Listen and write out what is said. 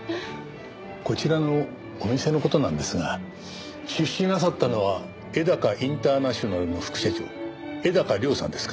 こちらのお店の事なんですが出資なさったのは絵高インターナショナルの副社長絵高良さんですか？